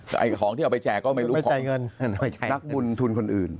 ไอ้ของที่เอาไปแจกก็ไม่รู้ของนักบุญทุนคนอื่น